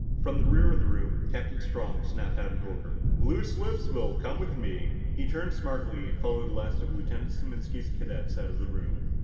From the rear of the room Captain Strong snapped out an order. "Blue slips will come with me!" He turned smartly and followed the last of Lieutenant Saminsky's cadets out of the room.